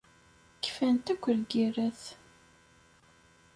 Kfant akk lgirrat.